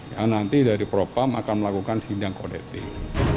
yang nanti dari propam akan melakukan sindang kode etik